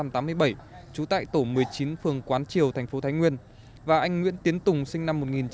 trú tại tổ một mươi chín phường quán triều thành phố thái nguyên và anh nguyễn tiến tùng sinh năm một nghìn chín trăm tám mươi